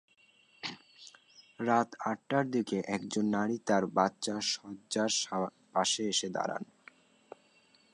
রাত আটটার দিকে একজন নারী তাঁর বাচ্চার শয্যার পাশে এসে দাঁড়ান।